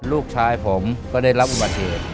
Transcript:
ลูกชายผมก็ได้รับอุบัติเหตุ